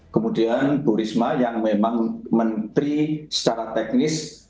kemudian bu risma yang memang menteri secara teknis